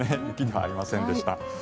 雪ではありませんでした。